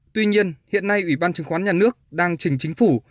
tuy nhiên hiện nay ủy ban chứng khoán nhà nước đang trình chính phủ